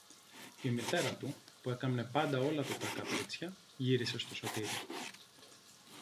Η μητέρα του, που έκαμνε πάντα όλα του τα καπρίτσια, γύρισε στον Σωτήρη.